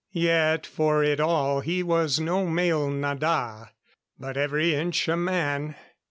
Yet, for it all, he was no male nada, but every inch a man.